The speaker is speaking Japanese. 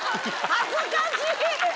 恥ずかしい！